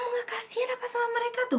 gak kasian apa sama mereka tuh